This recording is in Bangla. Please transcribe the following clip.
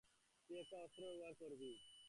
তুই একটা অস্ত্র ব্যবহার করবি।